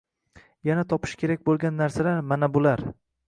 Yana topish kerak bo’lgan narsalar mana bular: